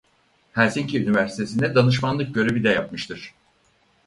Helsinki Üniversitesi'nde danışmanlık görevi de yapmıştır.